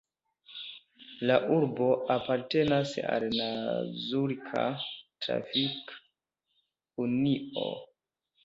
La urbo apartenas al la Zurika Trafik-Unio.